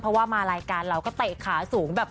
เพราะว่ามารายการเราก็เตะขาสูงแบบ